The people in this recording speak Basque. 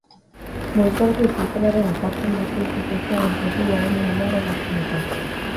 Mugikorreko itzulpenaren ezarpen batzuk itzulpenaren prozedura oraindik gehiago errazten dute.